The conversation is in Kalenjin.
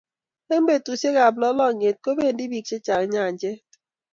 Eng betusiekab lolongyet kobendi bik chechang nyanjet